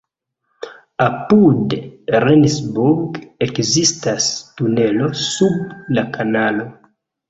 Apud Rendsburg ekzistas tunelo sub la kanalo.